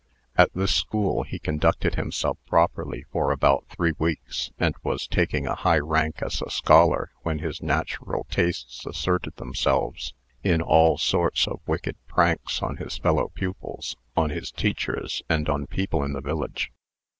At this school he conducted himself properly for about three weeks, and was taking a high rank as a scholar, when his natural tastes asserted themselves, in all sorts of wicked pranks on his fellow pupils, on the teachers, and on people in the village.